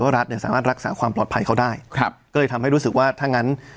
รัฐเนี่ยสามารถรักษาความปลอดภัยเขาได้ครับก็เลยทำให้รู้สึกว่าถ้างั้น